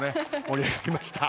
盛り上がりました。